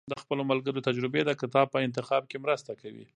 د خپلو ملګرو تجربې د کتاب په انتخاب کې مرسته کوي.